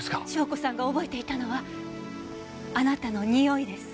笙子さんが覚えていたのはあなたのにおいです。